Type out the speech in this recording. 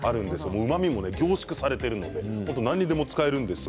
うまみが凝縮されているので何にでも使えます。